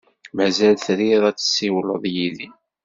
Mazal trid ad tessiwled yid-i?